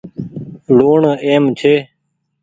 لوُڻ اهم ڇي۔